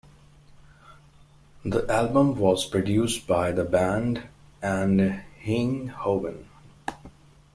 The album was produced by the band and Hein Hoven.